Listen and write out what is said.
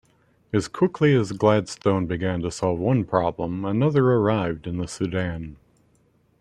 As quickly as Gladstone began to solve one problem another arrived in the Sudan.